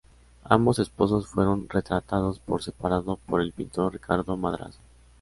Ambos esposos fueron retratados por separado por el pintor Ricardo Madrazo.